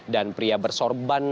dan pria bersorban